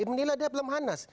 menilai dia belumhanas